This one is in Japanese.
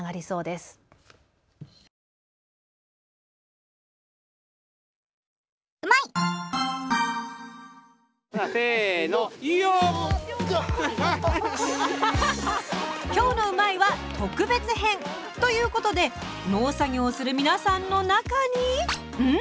スタジオ今日の「うまいッ！」は特別編！ということで農作業をする皆さんの中にん？